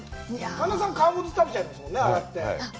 神田さん、皮ごと食べちゃいますもんね、洗って。